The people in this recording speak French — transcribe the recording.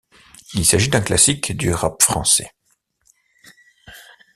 Il s'agit d'un classique du rap français.